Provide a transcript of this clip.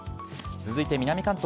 続いて南関東。